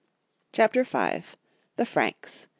CHAPTER V. THE FRANKS.